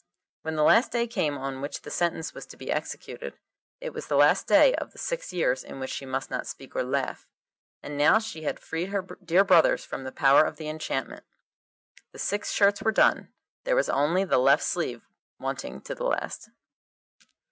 When the day came on which the sentence was to be executed, it was the last day of the six years in which she must not speak or laugh, and now she had freed her dear brothers from the power of the enchantment. The six shirts were done; there was only the left sleeve wanting to the last.